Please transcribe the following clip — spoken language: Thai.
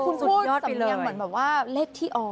คุณพูดสำเนียงเหมือนแบบว่าเลขที่ออก